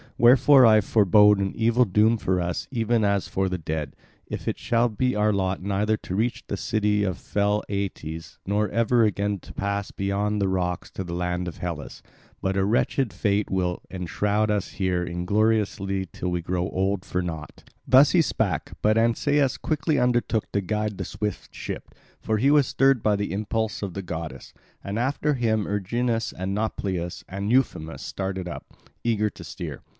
Wherefore I forebode an evil doom for us even as for the dead, if it shall be our lot neither to reach the city of fell Aeetes, nor ever again to pass beyond the rocks to the land of Hellas, but a wretched fate will enshroud us here ingloriously till we grow old for naught." Thus he spake, but Ancaeus quickly undertook to guide the swift ship; for he was stirred by the impulse of the goddess. And after him Erginus and Nauplius and Euphemus started up, eager to steer.